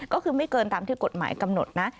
ก็คือไม่เกินตามที่กฎหมายกำหนดนะ